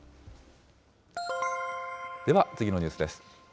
では、次のニュースです。